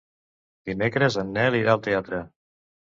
Dimecres en Nel irà al teatre.